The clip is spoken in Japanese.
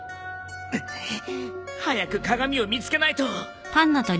うっ早く鏡を見つけないと！